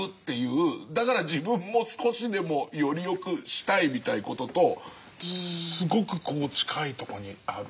だから自分も少しでもより良くしたいみたいなこととすごく近いとこにある。